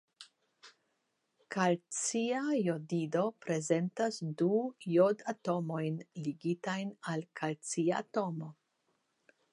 Kalcia jodido prezentas du jodatomojn ligitajn al kalciatomo.